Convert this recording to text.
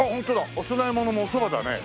お供え物もおそばだね。